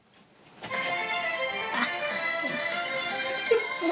あっ！